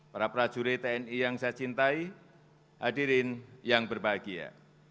para prajurit tni yang saya cintai hadirin yang berbahagia